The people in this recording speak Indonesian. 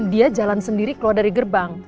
dia jalan sendiri keluar dari gerbang